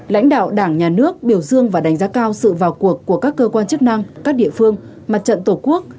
lãnh đạo đảng nhà nước biểu dương và đánh giá cao sự vào cuộc của các cơ quan chức năng các địa phương mặt trận tổ quốc